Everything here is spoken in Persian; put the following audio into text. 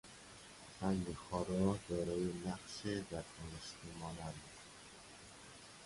سنگ خارا دارای نقش دستنوشته مانند